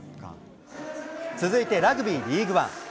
続いてラグビー・リーグワン。